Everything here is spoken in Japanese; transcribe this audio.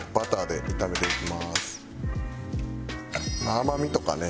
甘みとかね